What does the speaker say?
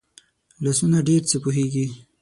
لاسونه ډېر څه پوهېږي